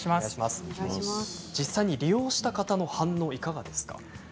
実際に利用した方の反応はいかがですか。